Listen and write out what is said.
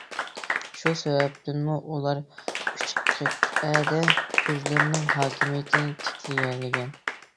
شۇ سەۋەبتىنمۇ ئۇلار ئۈچ قىتئەدە ئۆزلىرىنىڭ ھاكىمىيىتىنى تىكلىيەلىگەن.